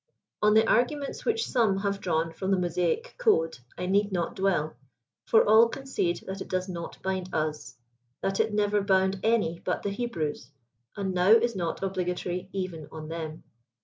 On the arguments which some have drawn from the Mosaic code I need not dwell, for all concede that it does not bind us; that it never bound any but the Hebrews, and now is not obii gatorv even on them.